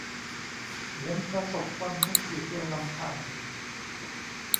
เหมือนประสบความทุกข์อยู่เพียงลำพัง